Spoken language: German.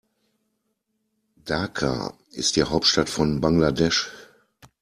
Dhaka ist die Hauptstadt von Bangladesch.